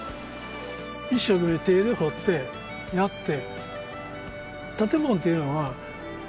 一生懸命手で彫ってやって。